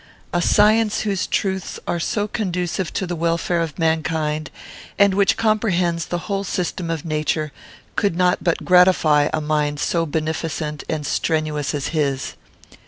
A science whose truths are so conducive to the welfare of mankind, and which comprehends the whole system of nature, could not but gratify a mind so beneficent and strenuous as his.